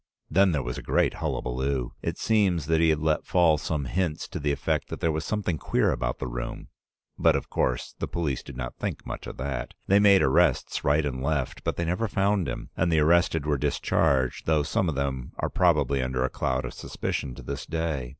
Then there was a great hullabaloo. It seems that he had let fall some hints to the effect that there was something queer about the room, but, of course, the police did not think much of that. They made arrests right and left, but they never found him, and the arrested were discharged, though some of them are probably under a cloud of suspicion to this day.